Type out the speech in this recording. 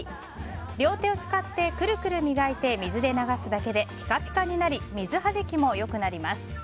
両手を使ってくるくる磨いて水で流すだけでピカピカになり水はじきも良くなります。